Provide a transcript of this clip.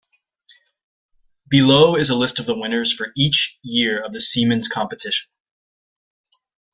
Below is a list of the winners for each year of the Siemens Competition.